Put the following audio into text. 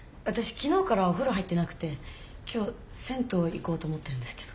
昨日からお風呂入ってなくて今日銭湯行こうと思ってるんですけど。